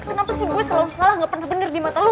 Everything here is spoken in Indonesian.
kenapa sih gue salah salah nggak pernah bener di mata lo